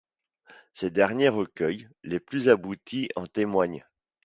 Ses derniers recueils, les plus aboutis, en témoignent.